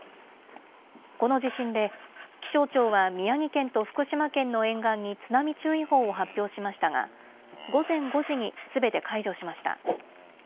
この地震で気象庁は宮城県と福島県の沿岸に津波注意報を発表しましたが午前５時にすべて解除しました。